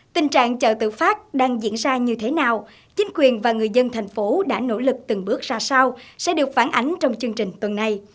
tình trạng chợ tự phát đang diễn ra như thế nào chính quyền và người dân thành phố đã nỗ lực từng bước ra sao sẽ được phản ánh trong chương trình tuần này